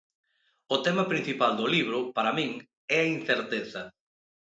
O tema principal do libro, para min, é a incerteza.